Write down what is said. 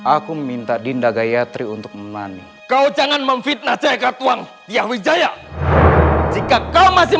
aku minta dinda gayatri untuk memaning kau jangan memfitnah jayaka tuang yahweh jaya jika kau masih